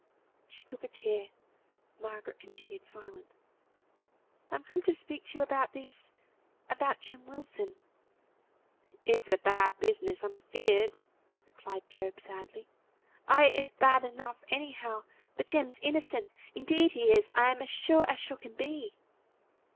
She took a chair. Margaret continued silent. "I'm come to speak to you about this about Jem Wilson." "It's a bad business, I'm afeared," replied Job, sadly. "Ay, it's bad enough anyhow. But Jem's innocent. Indeed he is; I'm as sure as sure can be."